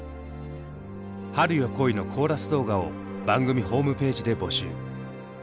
「春よ、来い」のコーラス動画を番組ホームページで募集。